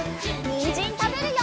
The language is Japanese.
にんじんたべるよ！